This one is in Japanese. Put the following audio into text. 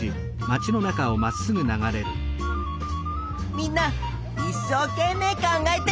みんないっしょうけんめい考えてるね！